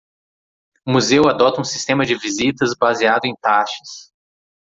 O museu adota um sistema de visitas baseado em taxas.